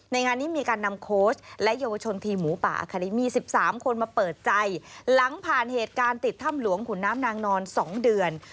งานนี้มีการนำโค้ชและเยาวชนทีมหมูป่าอาคาริมี๑๓คนมาเปิดใจหลังผ่านเหตุการณ์ติดถ้ำหลวงขุนน้ำนางนอน๒เดือน